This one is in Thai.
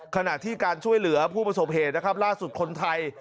ขณะที่การช่วยเหลือผู้ประสบเหตุนะครับล่าสุดคนไทย